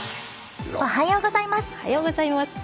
おはようございます。